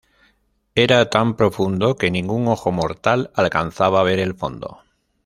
Era tan profundo que ningún ojo mortal alcanzaba ver el fondo.